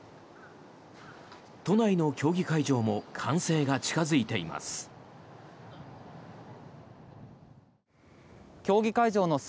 都内の競技会場も完成が近付いています。